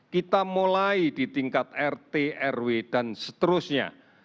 kita mulai di tingkat rt rw dan seterusnya